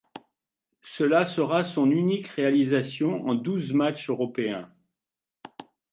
Cela sera son unique réalisation en douze matchs européens.